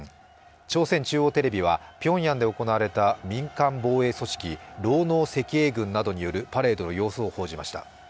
朝鮮中央テレビはピョンヤンで行われた民間防衛組織、労農赤衛軍などによるパレードの様子を報じました。